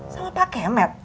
sama pak kemet